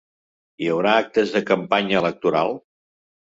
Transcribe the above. Hi haurà actes de campanya electoral?